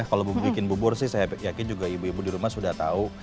kalau bikin bubur sih saya yakin juga ibu ibu di rumah sudah tahu